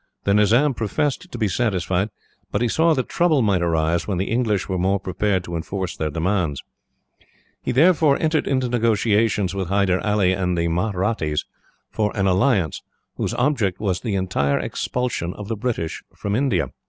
The Nizam professed to be satisfied, but he saw that trouble might arise when the English were more prepared to enforce their demands. He therefore entered into negotiations with Hyder Ali and the Mahrattis for an alliance, whose object was the entire expulsion of the British from India.